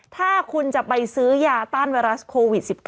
ถ้าคุณจะไปซื้อยาต้านไวรัสโควิด๑๙